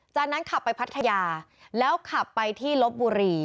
จากนั้นขับไปพัทยาแล้วขับไปที่ลบบุรี